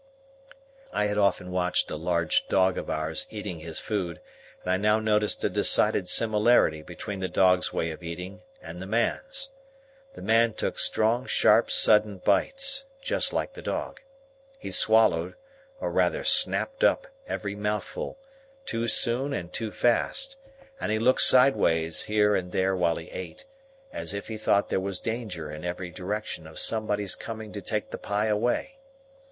I had often watched a large dog of ours eating his food; and I now noticed a decided similarity between the dog's way of eating, and the man's. The man took strong sharp sudden bites, just like the dog. He swallowed, or rather snapped up, every mouthful, too soon and too fast; and he looked sideways here and there while he ate, as if he thought there was danger in every direction of somebody's coming to take the pie away.